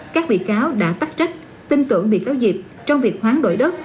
các bị cáo đã tắt trách tin tưởng bị cáo dịp trong việc hoán đổi đất